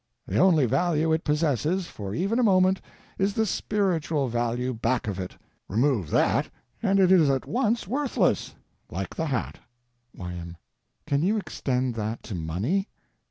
The only value it possesses, for even a moment, is the spiritual value back of it: remove that end and it is at once worthless—like the hat. Y.M. Can you extend that to money?